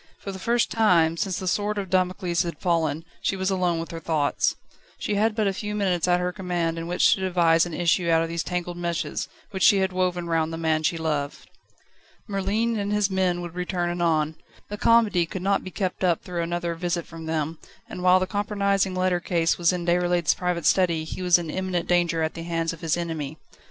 For the first time, since the sword of Damocles had fallen, she was alone with her thoughts. She had but a few moments at her command in which to devise an issue out of these tangled meshes, which she had woven round the man she loved. Merlin and his men would return anon. The comedy could not be kept up through another visit from them, and while the compromising letter case remained in Déroulède's private study he was in imminent danger at the hands of his enemy.